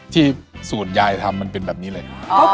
สูตรยายทำมันเป็นแบบนี้เลย